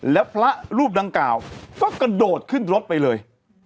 แล้วพระรูปดังกล่าวก็กระโดดขึ้นรถไปเลย